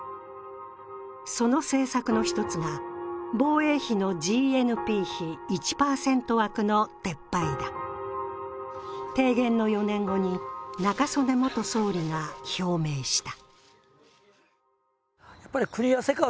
その政策の１つが、防衛費のＧＮＰ比１％枠の撤廃だ提言の４年後に中曽根元総理が表明した。